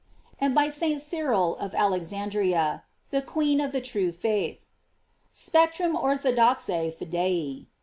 And by St. Cyril of Alexandria: The queen of the true faith: "Sceptrum orthodoxae fidei."